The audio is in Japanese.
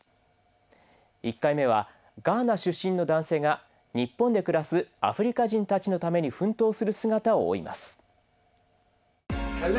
１回目はガーナ出身の男性が日本で暮らすアフリカ人たちのために奮闘する姿を追います。